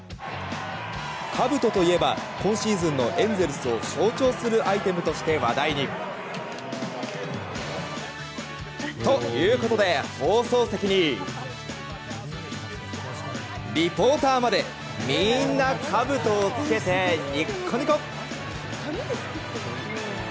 かぶとといえば今シーズンのエンゼルスを象徴するアイテムとして話題に。ということで、放送席にリポーターまでみんな、かぶとを着けてニッコニコ！